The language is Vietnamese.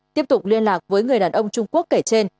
tiếp tục liên lạc với người đàn ông trung quốc kể trên